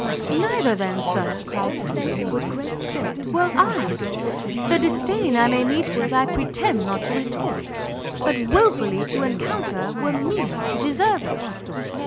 "Neither, then, Sir," cried Cecilia, with great spirit, "will I! The disdain I may meet with I pretend not to retort, but wilfully to encounter, were meanly to deserve it.